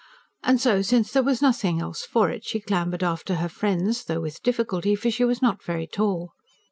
And so, since there was nothing else for it, she clambered after her friends though with difficulty; for she was not very tall.